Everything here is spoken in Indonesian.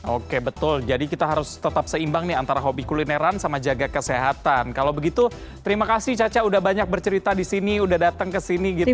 oke betul jadi kita harus tetap seimbang nih antara hobi kulineran sama jaga kesehatan kalau begitu terima kasih caca udah banyak bercerita disini udah datang ke sini gitu